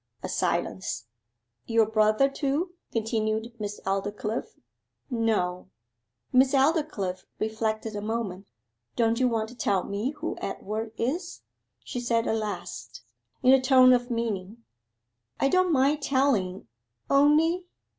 A silence. 'Your brother, too?' continued Miss Aldclyffe. 'No.' Miss Aldclyffe reflected a moment. 'Don't you want to tell me who Edward is?' she said at last, in a tone of meaning. 'I don't mind telling; only....